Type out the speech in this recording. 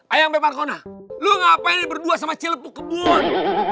ayang beparkona lo ngapain ini berdua sama celeb kebun